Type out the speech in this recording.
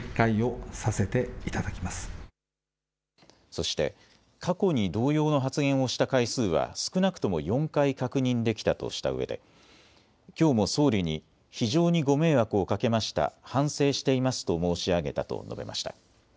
そして、過去に同様の発言をした回数は少なくとも４回、確認できたとしたうえできょうも総理に非常にご迷惑をかけました、反省していますと申し上げたと述べました。